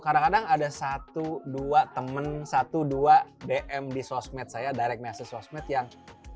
kadang kadang ada satu dua teman satu dua dm di sosmed saya direct message sosmed yang